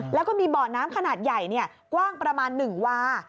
แล้วก็มีบ่อน้ำขนาดใหญ่กว้างประมาณ๑วา